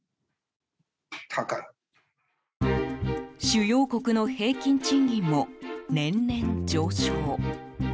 主要国の平均賃金も年々上昇。